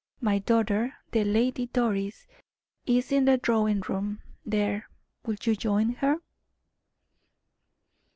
My daughter, the Lady Doris, is in the drawing room there will you join her?"